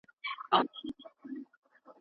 که مینه وکړو نو نفرت نه پیدا کیږي.